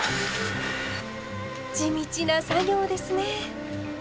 地道な作業ですね。